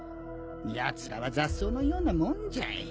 やつらは雑草のようなもんじゃい。